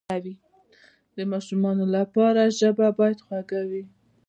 د ماشومانو لپاره ژبه باید خوږه وي.